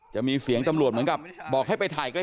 จะมีเสียงตำรวจเหมือนกับบอกให้ไปถ่ายใกล้